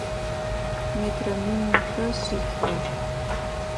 Метрэ минрэ шъихрэ.